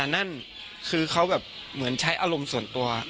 นั่นคือเขาแบบเหมือนใช้อารมณ์ส่วนตัว